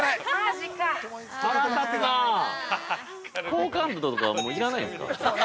◆好感度とかはもう要らないんですか。